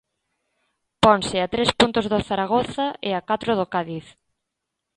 Ponse a tres puntos do Zaragoza e a catro do Cádiz.